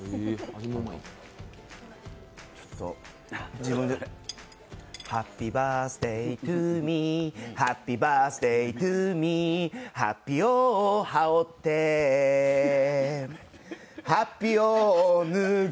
自分でハッピーバースデートゥーミー、ハッピーバースデートゥーミーハッピを羽織ってハッピを脱ぐ。